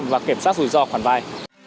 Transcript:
và kiểm soát rủi ro khoản vay